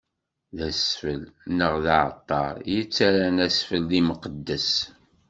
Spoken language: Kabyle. D asfel, neɣ d aɛalṭar yettarran asfel d imqeddes?